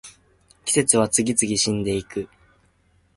季節は次々死んでいく